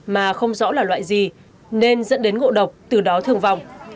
mà không rõ là loại gì nên dẫn đến ngộ độc từ đó thương vong